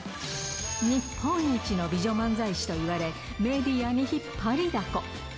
日本一の美女漫才師といわれ、メディアに引っ張りだこ。